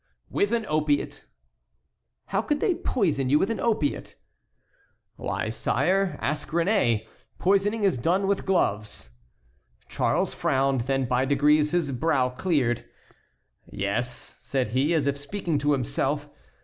"With an opiate." "How could they poison you with an opiate?" "Why, sire, ask Réné; poisoning is done with gloves"— Charles frowned; then by degrees his brow cleared. "Yes," said he, as if speaking to himself.